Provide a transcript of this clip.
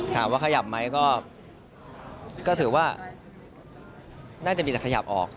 ถามว่าขยับไหมก็ถือว่าน่าจะมีแต่ขยับออก